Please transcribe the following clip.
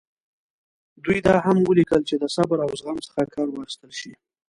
دوی دا هم ولیکل چې د صبر او زغم څخه کار واخیستل شي.